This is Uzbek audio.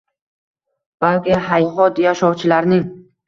Balki, hayhot, yashovchilarning